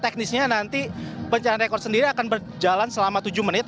teknisnya nanti pencarian rekod sendiri akan berjalan selama tujuh menit